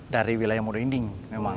dari wilayah modo inding memang